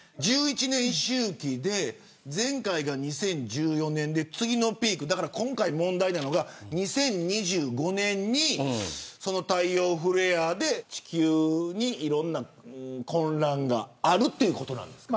１１年周期で前回が２０１４年で次のピーク、今回問題なのが２０２５年に太陽フレアで地球にいろんな混乱があるということなんですか。